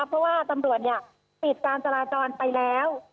เพราะว่าตำรวจปิดการจราจรไปแล้ว